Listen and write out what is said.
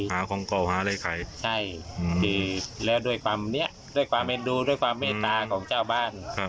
หาของเก่าหาอะไรขายใช่แล้วด้วยความเนี้ยด้วยความเอ็นดูด้วยความเมตตาของเจ้าบ้าน